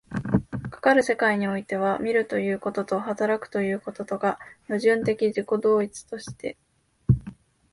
かかる世界においては、見るということと働くということとが矛盾的自己同一として、